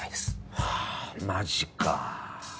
はぁマジか。